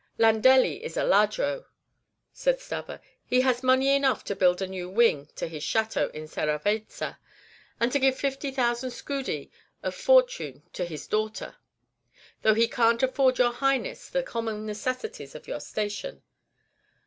"Landelli is a ladro," said Stubber. "He has money enough to build a new wing to his château in Serravezza, and to give fifty thousand scudi of fortune to his daughter, though he can't afford your Highness the common necessaries of your station."